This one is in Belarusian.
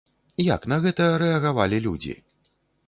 Як на гэта рэагавалі людзі?